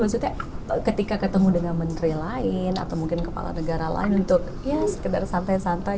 maksudnya ketika ketemu dengan menteri lain atau mungkin kepala negara lain untuk ya sekedar santai santai